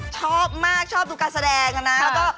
ชอบมากชอบดูการแสดงนะ